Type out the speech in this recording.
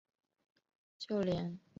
就连点缀在其中的绿洲也不很绿。